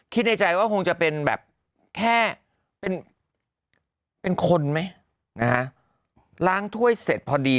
ในใจว่าคงจะเป็นแบบแค่เป็นคนไหมนะฮะล้างถ้วยเสร็จพอดี